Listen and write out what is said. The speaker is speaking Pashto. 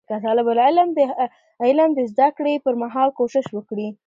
که طالب العلم د علم د زده کړې پر مهال کوشش وکړي